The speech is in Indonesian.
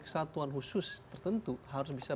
kesatuan khusus tertentu harus bisa